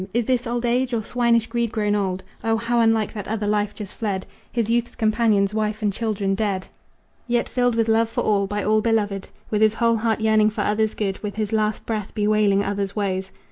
Is this old age, or swinish greed grown old? O how unlike that other life just fled! His youth's companions, wife and children, dead, Yet filled with love for all, by all beloved, With his whole heart yearning for others' good, With his last breath bewailing others' woes."